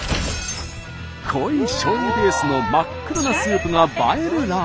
濃いしょうゆベースの真っ黒なスープが映えるラーメン。